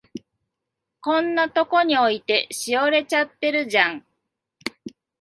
こんなとこに置いて、しおれちゃってるじゃん。